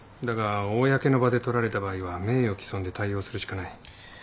だが公の場で撮られた場合は名誉毀損で対応するしかない。